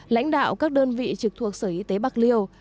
lãnh đạo các đơn vị trực thuộc sở y tế bạc liêu